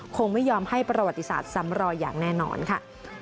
คงไม่ยอมให้ประวัติศาสตร์ซ้ำรอยอย่างแน่นอนค่ะ